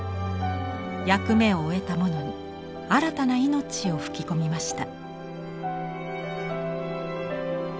役目を終えたものに新たな命を吹き込みました。